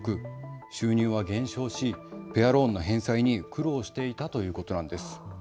収入は減少しペアローンの返済に苦労していたということです。